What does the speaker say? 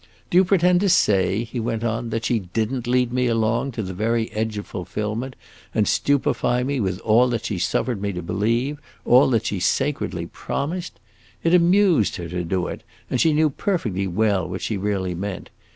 "Do you pretend to say," he went on, "that she did n't lead me along to the very edge of fulfillment and stupefy me with all that she suffered me to believe, all that she sacredly promised? It amused her to do it, and she knew perfectly well what she really meant.